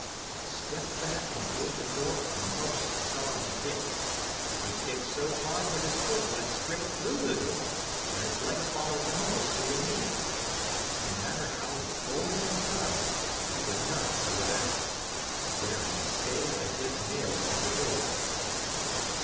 He stepped back and gave the door a most solemn kick. He kicked so hard that his foot went straight through the door and his leg followed almost to the knee. No matter how he pulled and tugged, he could not pull it out. There he stayed as if nailed to the door.